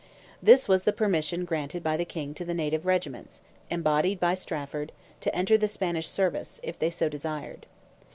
This was the permission granted by the King to the native regiments, embodied by Strafford, to enter into the Spanish service, if they so desired.